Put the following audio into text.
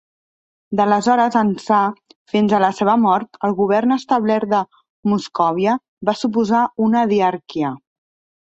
D'aleshores ençà, fins a la seva mort, el govern establert de Moscòvia va suposar una diarquia.